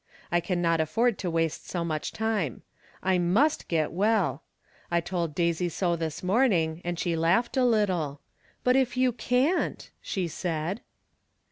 ' I can not afford to waste so much time. I «ij^s*1g9t well. I told Daisy so this morning, and She laughed a little. " But if you caiCt" she said.